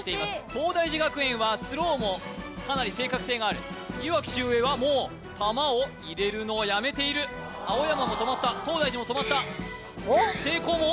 東大寺学園はスローもかなり正確性があるいわき秀英はもう玉を入れるのをやめている青山も止まった東大寺も止まった聖光も？